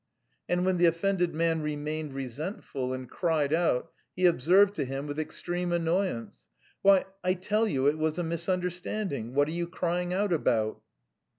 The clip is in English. And when the offended man remained resentful and cried out, he observed to him, with extreme annoyance: 'Why, I tell you it was a misunderstanding. What are you crying out about?'"